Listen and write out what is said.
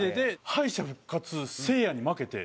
敗者復活せいやに負けて。